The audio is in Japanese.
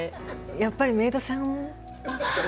やっぱりメイドさん。